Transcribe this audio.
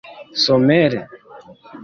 somere